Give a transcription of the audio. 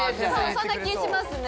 そんな気しますね